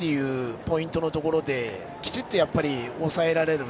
ポイントのところできちっと抑えられる。